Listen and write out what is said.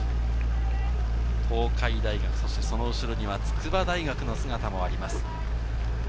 東海大学、そして、その後ろには筑波大学の姿もあります。